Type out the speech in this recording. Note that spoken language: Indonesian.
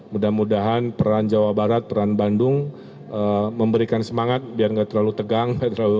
mudah mudahan peran jawa barat peran bandung memberikan semangat biar nggak terlalu tegang